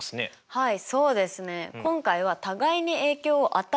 はい。